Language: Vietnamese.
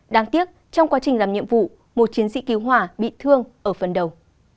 đáng tiếc trong quá trình làm nhiệm vụ một chiến sĩ cứu hỏa bị thương ở phần đầu